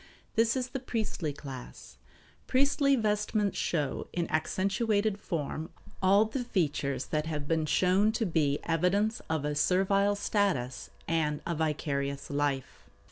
This is the priestly class. Priestly vestments show, in accentuated form, all the features that have been shown to be evidence of a servile status and a vicarious life.